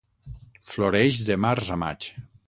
Floreix de març a maig.